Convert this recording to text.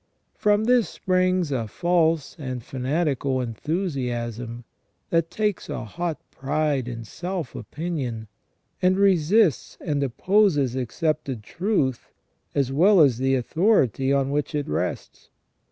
From this springs a false and fanatical enthusiasm, that takes a hot pride in self opinion, and resists and opposes accepted truth as well as the authority on which it rests.